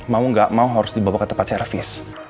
mau gak mau harus dibawa ke tempat servis